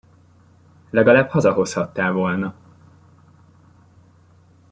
Legalább hazahozhattál volna!